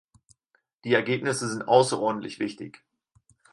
Die Ergebnisse sind außerordentlich wichtig.